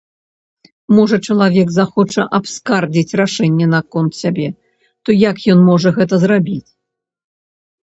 Можа, чалавек захоча абскардзіць рашэнне наконт сябе, то як ён можа гэта зрабіць?